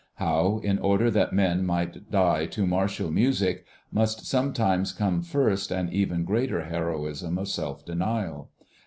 How, in order that men might die to martial music, must sometimes come first an even greater heroism of self denial.